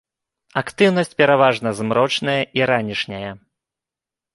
Актыўнасць пераважна змрочная і ранішняя.